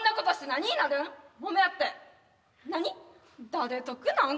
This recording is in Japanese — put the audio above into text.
誰得なん？